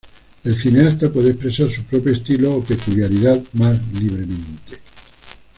El cineasta puede expresar su propio estilo o peculiaridad más libremente.